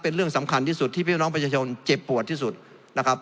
เป็นเรื่องสำคัญที่สุดที่พี่น้องประชาชนเจ็บปวดที่สุดนะครับ